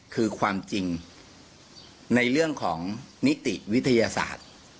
คือความจริงในเรื่องของนิติวิทยาศาสตร์